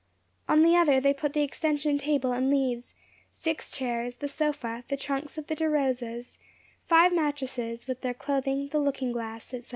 On the other, they put the extension table and leaves, six chairs, the sofa, the trunks of the De Rosas, five mattresses, with their clothing, the looking glass, &c.